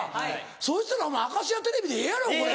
そしたらお前『明石家電視台』でええやろこれ。